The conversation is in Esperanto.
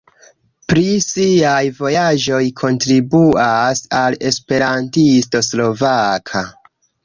Pri siaj vojaĝoj kontribuas al Esperantisto Slovaka.